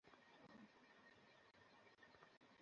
তিনি এ অল্প সময়ে কোন পাপও করেননি।